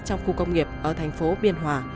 trong khu công nghiệp ở thành phố biên hòa